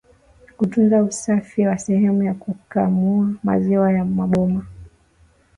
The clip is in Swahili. Kutunza usafi wa sehemu ya kukamulia maziwa na maboma